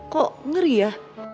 kok ngeri ya